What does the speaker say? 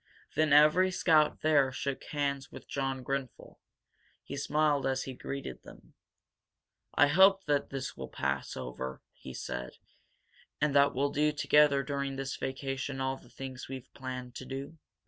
Then every scout there shook hands with John Grenfel. He smiled as he greeted them. "I hope this will pass over," he said, "and that we'll do together during this vacation all the things we've planned to do.